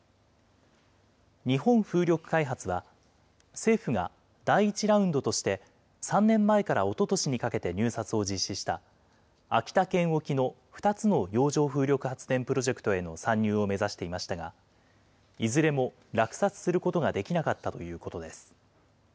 日本風力開発は、政府が第１ラウンドとして、３年前からおととしにかけて入札を実施した、秋田県沖の２つの洋上風力発電プロジェクトへの参入を目指していましたが、いずれも落札することができなかったということです。